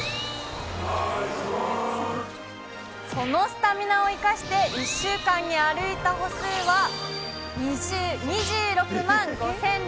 そのスタミナを生かして、１週間に歩いた歩数は、２６万５６３６歩。